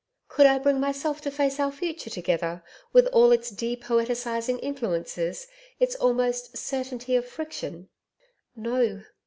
Could I bring myself to face our future together with all its depoeticising influences, its almost certainty of friction? No.